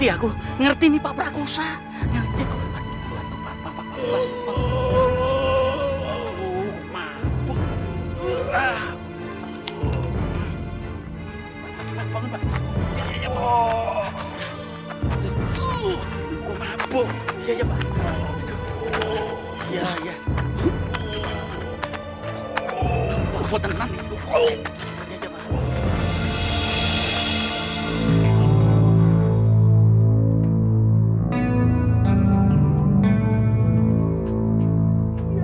aku tidak pernah memilikinya